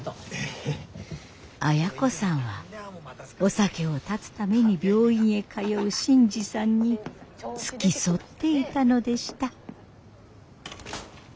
亜哉子さんはお酒を断つために病院へ通う新次さんに付き添っていたのでした。